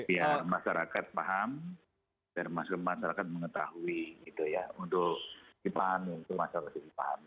ya masyarakat paham dan masyarakat mengetahui gitu ya untuk dipahami untuk masyarakat dipahami